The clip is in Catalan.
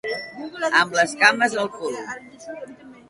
Amb les cames al cul.